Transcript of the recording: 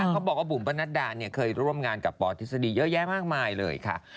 เขาบอกว่าบุ๋มประนัดดาเนี่ยเคยร่วมงานกับปทฤษฎีเยอะแยะมากมายเลยค่ะ